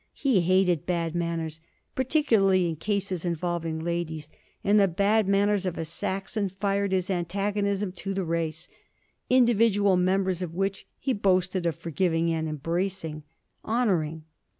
He hated bad manners, particularly in cases involving ladies; and the bad manners of a Saxon fired his antagonism to the race; individual members of which he boasted of forgiving and embracing, honouring.